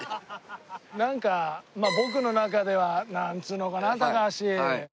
なんかまあ僕の中ではなんつうのかな高橋。